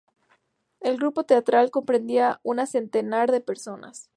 El grupo teatral comprendía un centenar de personas.